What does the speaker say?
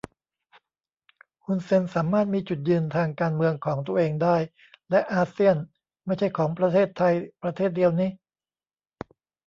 ฮุนเซนสามารถมีจุดยืนทางการเมืองของตัวเองได้ และอาเซียนไม่ใช่ของประเทศไทยประเทศเดียวนิ